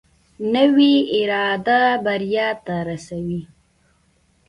نوې اراده بریا ته رسوي